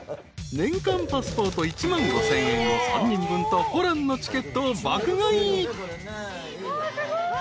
［年間パスポート１万５，０００円を３人分とホランのチケットを爆買い］